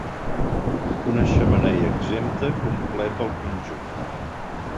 Una xemeneia exempta completa el conjunt.